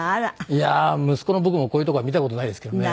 いやー息子の僕もこういうとこは見た事ないですけどね。